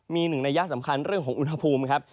มีหนึ่งนัยยะสำคัญเรื่องของอุณหภูมิครับ